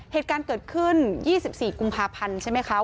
เหตุการณ์เกิดขึ้น๒๔กุมภาพันธ์ใช่ไหมคะ